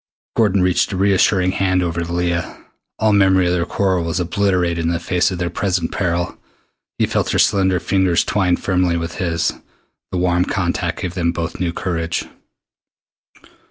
Gordon reached a reassuring hand over to Leah. All memory of their quarrel was obliterated in the face of their present peril. He felt her slender fingers twine firmly with his. The warm contact gave them both new courage.